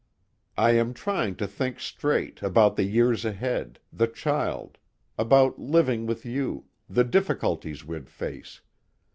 "I am trying to think straight, about the years ahead, the child, about living with you, the difficulties we'd face.